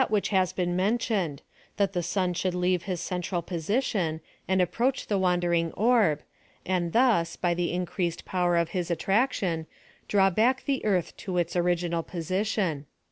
183 which has been mentioned — that the sun should leave his central position, and approach the wander ing orb, and thus, by the increased power of his at traction, draw back the earth to its original position.